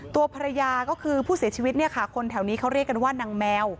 ตัวภรรยาก็คือผู้เสียชีวิตเนี่ยค่ะคนแถวนี้เขาเรียกกันว่านางแมว